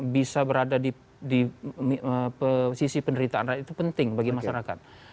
bisa berada di sisi penderitaan rakyat itu penting bagi masyarakat